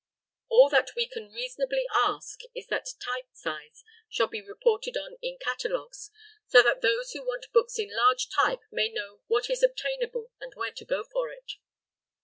All that we can reasonably ask is that type size shall be reported on in catalogues, so that those who want books in large type may know what is obtainable and where to go for it.